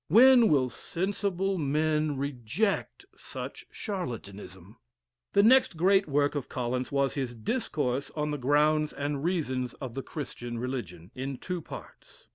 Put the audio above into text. When will sensible men reject such charlatanism? The next great work of Collins was his "Discourse on the Grounds and Reasons of the Christian Religion," in two parts.